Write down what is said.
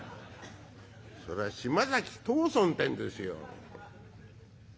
「それは島崎藤村ってんですよ」。